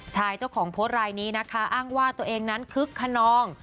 ชายเจ้าของโพสต์รายนี้นะคะอ้างว่าตัวเองนั้นคึกขนอง